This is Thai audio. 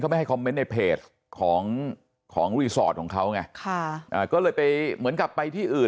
ไม่ให้คอมเมนต์ในเพจของของรีสอร์ทของเขาไงค่ะอ่าก็เลยไปเหมือนกับไปที่อื่น